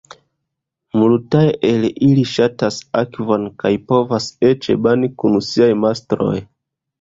Multaj el ili ŝatas akvon kaj povas eĉ bani kun siaj mastroj.